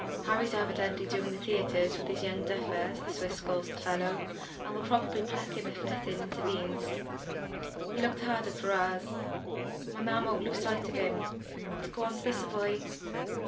Harry's evidently doing the theatres with his 'young duffer,' as the Swiss calls the fellow, and will probably pluck him if nothing intervenes." He looked hard at Ferrars. "My man won't lose sight of them. Want to go on to the Savoy?"